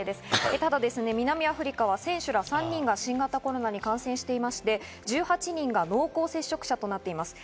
ただ南アフリカは選手ら３人が新型コロナに感染していまして、１８人が濃厚接触者となっています。